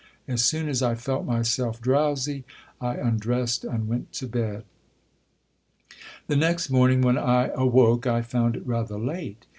As soon as I felt myself <lro\vsy, I undressed and went to bed. The next morning, when I awoke, I found it rather late.